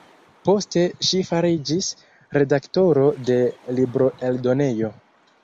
Poste ŝi fariĝis redaktoro de libroeldonejo.